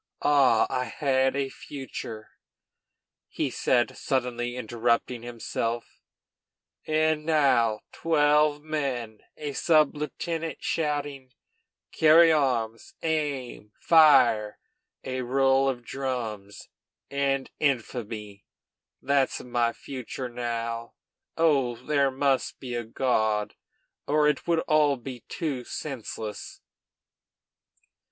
Ah! I had a future," he said, suddenly interrupting himself; "and now, twelve men, a sub lieutenant shouting 'Carry arms, aim, fire!' a roll of drums, and infamy! that's my future now. Oh! there must be a God, or it would all be too senseless."